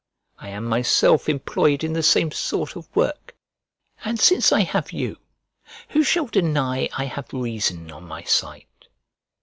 I am myself employed in the same sort of work; and since I have you, who shall deny I have reason on my side?